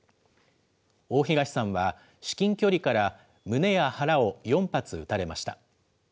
大東さんは、至近距離から胸や腹を４発撃たれました。